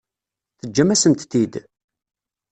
Teǧǧam-asent-t-id?